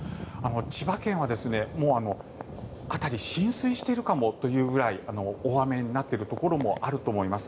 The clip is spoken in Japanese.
千葉県は浸水しているかもというくらい大雨になっているところもあると思います。